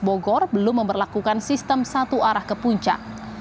bogor belum memperlakukan sistem satu arah ke puncak